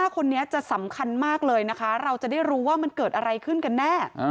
๕คนจะสำคัญมากเลยที่เราจะได้รู้อะไรกับกันแน่